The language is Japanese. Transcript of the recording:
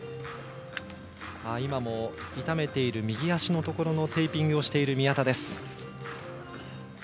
今も痛めている右足のところのテーピングをしている宮田です。